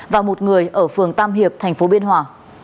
và một người ở phường tam hiệp tp biên hòa